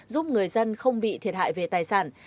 giúp người dân không bị thiệt hại về tài sản